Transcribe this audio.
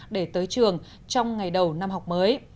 để tới trường trong ngày đầu năm học mới